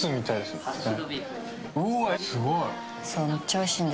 すごい。